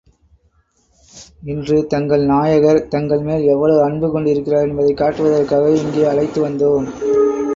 இன்று தங்கள் நாயகர், தங்கள் மேல் எவ்வளவு அன்பு கொண்டிருக்கின்றார் என்பதைக் காட்டுவதற்காகவே இங்கே அழைத்து வந்தோம்.